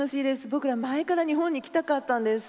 僕ら、前から日本に来たかったんです。